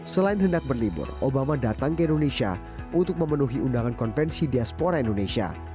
selain hendak berlibur obama datang ke indonesia untuk memenuhi undangan konvensi diaspora indonesia